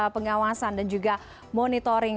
pengawasan dan juga monitoring